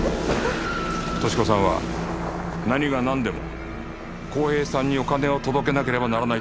敏子さんは何が何でも公平さんにお金を届けなければならないと思い